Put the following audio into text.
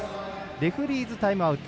レフェリーズタイムアウト。